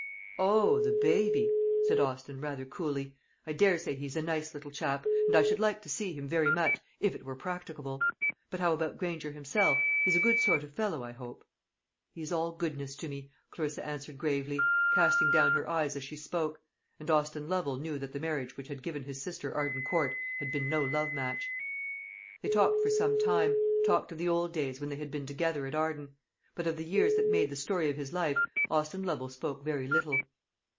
"O, the baby!" said Austin, rather coolly. "I daresay he's a nice little chap, and I should like to see him very much, if it were practicable. But how about Granger himself? He is a good sort of fellow, I hope." "He is all goodness to me," Clarissa answered gravely, casting down her eyes as she spoke; and Austin Lovel knew that the marriage which had given his sister Arden Court had been no love match. They talked for some time; talked of the old days when they had been together at Arden; but of the years that made the story of his life, Austin Lovel spoke very little.